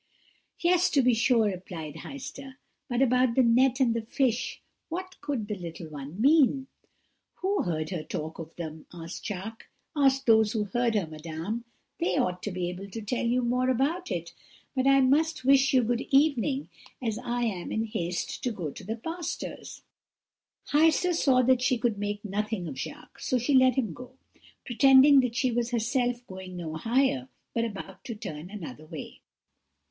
"'Yes, to be sure,' replied Heister; 'but about the net and the fish what could the little one mean?' "'Who heard her talk of them?' asked Jacques. 'Ask those who heard her, madame. They ought to be able to tell you more about it. But I must wish you good evening, as I am in haste to go to the pastor's.' "Heister saw that she could make nothing of Jacques, so she let him go, pretending that she was herself going no higher, but about to turn another way.